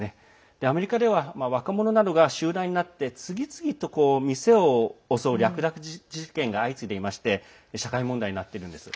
アメリカでは若者などが集団になって次々と店を襲う略奪事件が相次いでいまして社会問題になっています。